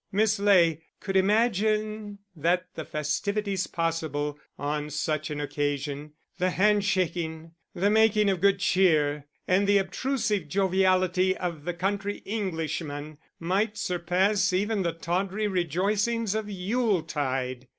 Miss Ley could imagine that the festivities possible on such an occasion, the handshaking, the making of good cheer, and the obtrusive joviality of the country Englishman, might surpass even the tawdry rejoicings of Yule tide.